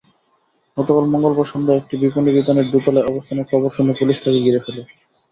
গতকাল মঙ্গলবার সন্ধ্যায় একটি বিপণিবিতানের দোতলায় অবস্থানের খবর শুনে পুলিশ তাঁকে ঘিরে ফেলে।